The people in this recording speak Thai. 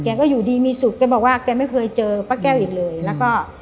ก็อยู่ดีมีสุขแกบอกว่าแกไม่เคยเจอป้าแก้วอีกเลยแล้วก็